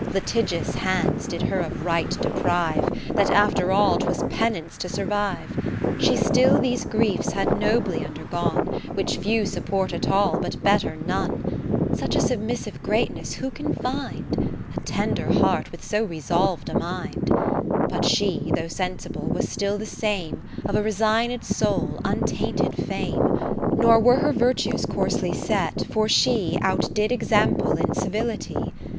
Litigious hands did her of right deprive, 6 1 That after all 'twas penance to survive. She still these griefs had nobly undergone, Which few support at all, but better none. » Orig. 'dri'd' and 'suppli'd' which is not quite ncghgible. ( 532 )/;/ Mei?tory of Mrs. Ma?y Lloyd Such a submissive greatness who can find? A tender heart with so resolv'd a mind ! But she, though sensible, was still the same, Of a resigned soul, untainted fame ; Nor were her virtues coarsely set, for she Out did example in civility.